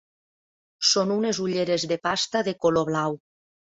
Són unes ulleres de pasta de color blau.